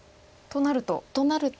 となると。